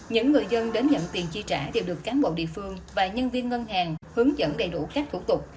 những người dân đến nhận tiền chi trả đều được cán bộ địa phương và nhân viên ngân hàng hướng dẫn đầy đủ các thủ tục